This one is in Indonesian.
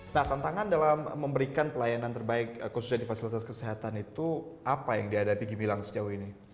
nah tantangan dalam memberikan pelayanan terbaik khususnya di fasilitas kesehatan itu apa yang dihadapi gimilang sejauh ini